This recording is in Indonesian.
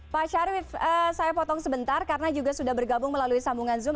pak syarif saya potong sebentar karena juga sudah bergabung melalui sambungan zoom